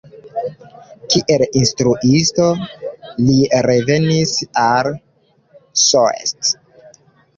Kiel instruisto li revenis al Soest.